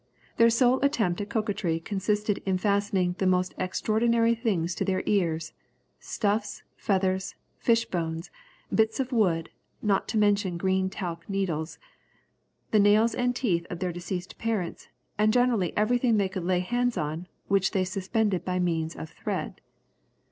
Their sole attempt at coquetry consisted in fastening the most extraordinary things to their ears, stuffs, feathers, fish bones, bits of wood, not to mention green talc needles, the nails and teeth of their deceased parents, and generally everything they could lay hands on, which they suspended by means of thread.